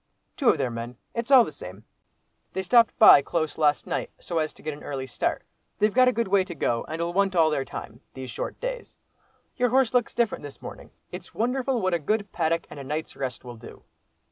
"Two of their men—it's all the same. They stopped close by last night so as to get an early start. They've a good way to go, and'll want all their time, these short days. Your horse looks different this morning. It's wonderful what a good paddock and a night's rest will do!"